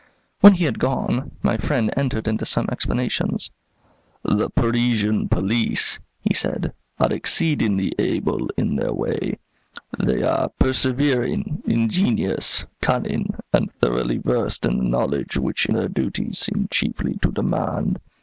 When he had gone, my friend entered into some explanations. "The Parisian police," he said, "are exceedingly able in their way. They are persevering, ingenious, cunning, and thoroughly versed in the knowledge which their duties seem chiefly to demand.